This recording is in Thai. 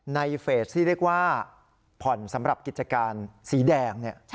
เฟสที่เรียกว่าผ่อนสำหรับกิจการสีแดง